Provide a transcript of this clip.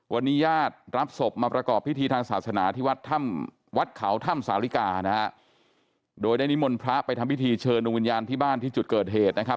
วันนี้ญาติรับศพมาประกอบพิธีทางศาสนาที่วัดถ้ำวัดเขาถ้ำสาลิกานะฮะโดยได้นิมนต์พระไปทำพิธีเชิญดวงวิญญาณที่บ้านที่จุดเกิดเหตุนะครับ